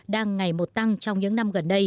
đang ngày một tăng trong những năm gần đây